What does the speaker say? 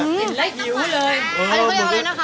เห็นไลฟ์อยู่เลย